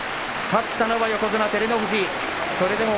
勝ったのは横綱照ノ富士です。